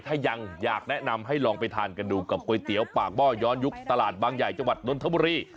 ถ้ายังอยากแนะนำให้ลองไปทานกันดูกับก๋วยเตี๋ยวปากหม้อย้อนยุคตลาดบางใหญ่จังหวัดนทบุรี